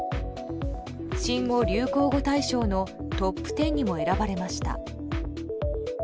新語・流行語大賞のトップ１０にも選ばれました。